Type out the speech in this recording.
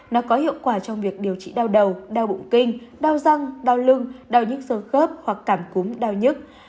nó có hiệu quả trong việc điều trị đau đầu đau bụng kinh đau răng đau lưng đau nhức sơ khớp hoặc cảm cúm đau nhất